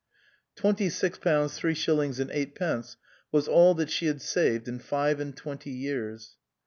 Twenty six pounds three shillings and eight pence was all that she had saved in five and twenty years.